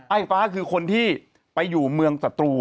ไฟฟ้าคือคนที่ไปอยู่เมืองศัตรู